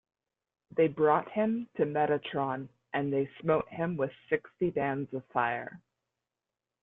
They brought him to Metatron and they smote him with sixty bands of fire.